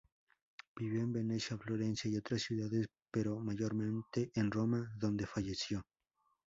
Vivió en Venecia, Florencia y otras ciudades pero mayormente en Roma, donde falleció.